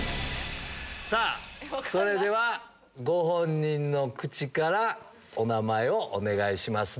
さぁそれではご本人の口からお名前をお願いします